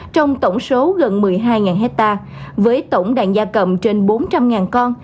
trong tổng số gần một mươi hai hectare với tổng đàn gia cầm trên bốn trăm linh con